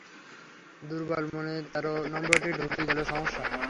দুর্বল মনে তেরো নম্বরটি ঢুকে গেলে সমস্যা।